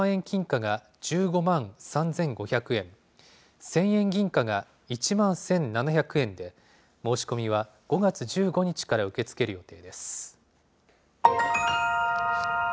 金貨が１５万３５００円、千円銀貨が１万１７００円で、申し込みは５月１５日から受け付ける予定です。